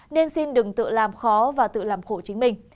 nên xin đừng tự làm khó và tự làm khổ chính mình